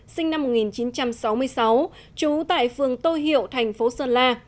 sinh năm một nghìn chín trăm sáu mươi sáu trú tại phường tô hiệu thành phố sơn la